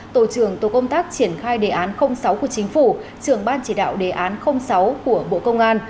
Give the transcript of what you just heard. tổ trưởng tổ công tác triển khai đề án sáu của chính phủ trưởng ban chỉ đạo đề án sáu của bộ công an